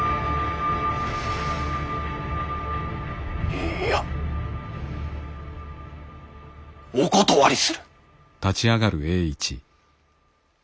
いいやお断りする！